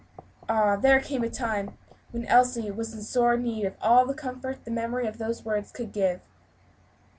Ah! there came a time when Elsie had sore need of all the comfort the memory of those words could give.